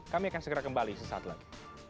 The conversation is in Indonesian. kami akan segera kembali sesaat lagi